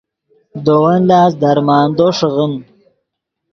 دے ون لاست درمندو ݰیغیم